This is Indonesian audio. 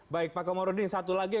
baik pak komarudin satu lagi